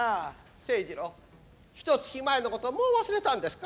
清二郎ひとつき前のこともう忘れたんですか。